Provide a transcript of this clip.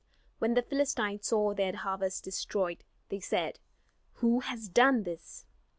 When the Philistines saw their harvests destroyed, they said, "Who has done this?"